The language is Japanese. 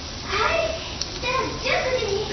はいじゃあ１９時に。